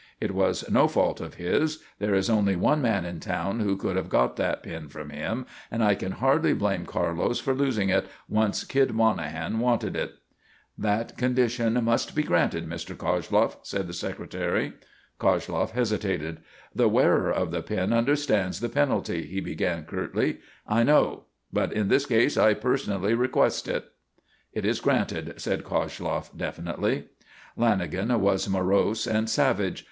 It was no fault of his. There is only one man in town who could have got that pin from him, and I can hardly blame Carlos for losing it, once Kid Monahan wanted it." "That condition must be granted, Mr. Koshloff," said the Secretary. Koshloff hesitated. "The wearer of the pin understands the penalty," he began, curtly. "I know. But in this case I personally request it." "It is granted," said Koshloff, definitely. Lanagan was morose and savage.